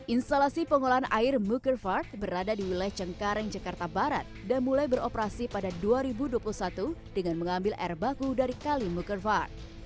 instalasi pengolahan air mukerfard berada di wilayah cengkareng jakarta barat dan mulai beroperasi pada dua ribu dua puluh satu dengan mengambil air baku dari kalimukervard